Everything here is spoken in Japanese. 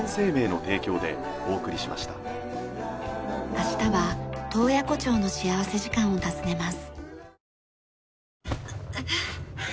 明日は洞爺湖町の幸福時間を訪ねます。